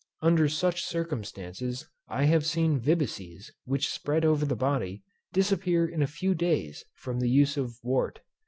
Under such circumstances, I have seen vibices which spread over the body, disappear in a few days from the use of wort.